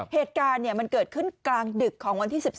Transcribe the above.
เหตุการณ์มันเกิดขึ้นกลางดึกของวันที่๑๓